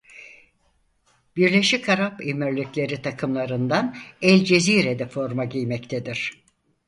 Birleşik Arap Emirlikleri takımlarından El-Cezire'de forma giymektedir.